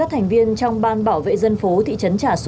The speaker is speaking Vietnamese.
họ đều đảm bảo vệ an ninh trật tự